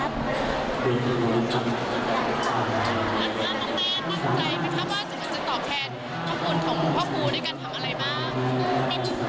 อันนั้นน้องแมนว่าจะตอบแทนของหลวงพ่อคูณในการทำอะไรบ้าง